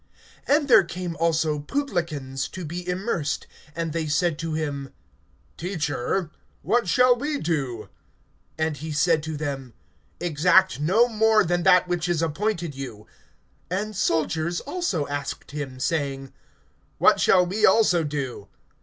(12)And there came also publicans to be immersed; and they said to him: Teacher, what shall we do? (13)And he said to them: Exact no more than that which is appointed you. (14)And soldiers also asked him, saying: What shall we also do?